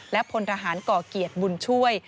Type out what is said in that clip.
และผลทหารกรเกียรติรห์บุญช่วย